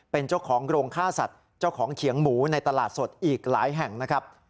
เป็นเจ้าของโรงฆ่าสัตว์เจ้าของเขียงหมูในตลาดสดอีกหลายแห่งนะครับ